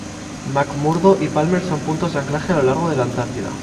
McMurdo y Palmer son puntos de anclaje a lo largo de la Antártida.